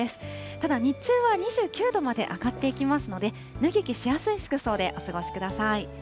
ただ、日中は２９度まで上がっていきますので、脱ぎ着しやすい服装でお過ごしください。